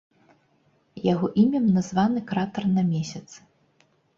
Яго імем названы кратар на месяцы.